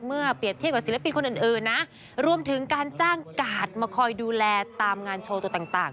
เปรียบเทียบกับศิลปินคนอื่นนะรวมถึงการจ้างกาดมาคอยดูแลตามงานโชว์ตัวต่าง